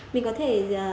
mình có thể